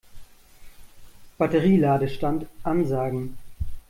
Batterie-Ladestand ansagen.